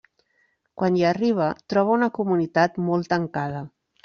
Quan hi arriba, troba una comunitat molt tancada.